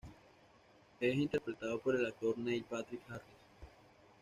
Es interpretado por el actor Neil Patrick Harris.